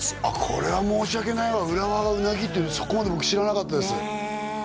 これは申し訳ないわ浦和はうなぎっていうのそこまで僕知らなかったですねえ